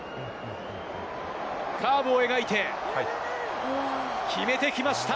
カーブを描いて、決めてきました。